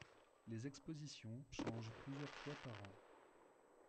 Les expositions changent plusieurs fois par an.